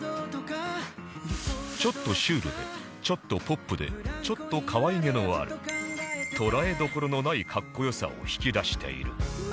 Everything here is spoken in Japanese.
ちょっとシュールでちょっとポップでちょっと可愛げのある捉えどころのない格好良さを引き出している